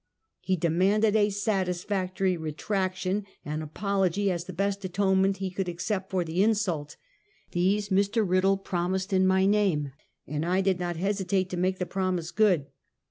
He demanded a satisfactory retraction and apology as the least atone ment he could accept for the insult. These Mr. Rid dle promised in my name, and I did not hesitate to make the promise good.